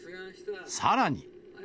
さらに。